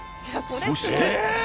そして。